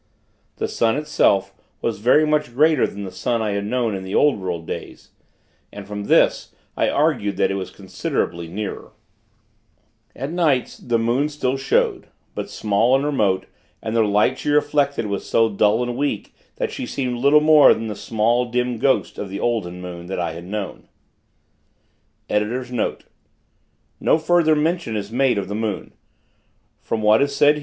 The sun, itself, was very much greater than the sun I had known in the old world days; and, from this, I argued that it was considerably nearer. At nights, the moon still showed; but small and remote; and the light she reflected was so dull and weak that she seemed little more than the small, dim ghost of the olden moon, that I had known.